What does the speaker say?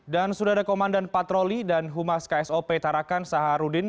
dan sudah ada komandan patroli dan humas ksop tarakan saharudin